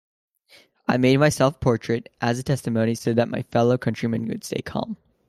I made my self-portrait as a testimony so that my fellow-countrymen would stay calm.